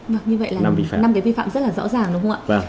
vâng như vậy là năm cái vi phạm rất là rõ ràng đúng không ạ